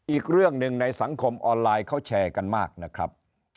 อีกเรื่องหนึ่งในสังคมออนไลน์เขาแชร์กันมากนะครับ